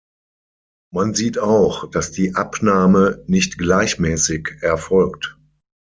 Man sieht auch, dass die Abnahme nicht gleichmäßig erfolgt.